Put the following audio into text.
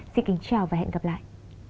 xin chào và hẹn gặp lại